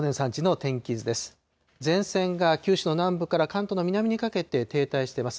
前線が九州の南部から関東の南にかけて停滞しています。